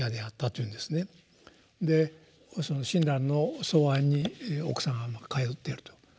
でその親鸞の草庵に奥さんは通ってると。